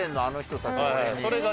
あの人たち俺に。